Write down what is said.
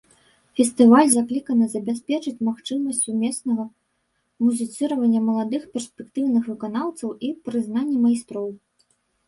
Фестываль закліканы забяспечыць магчымасць сумеснага музіцыравання маладых перспектыўных выканаўцаў і прызнаных майстроў.